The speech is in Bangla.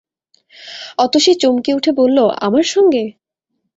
অতসী চমকে উঠে বলল, আমার সঙ্গে?